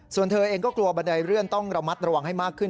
ส่วนเธอเองก็กลัวบันไดเลื่อนต้องระมัดระวังให้มากขึ้น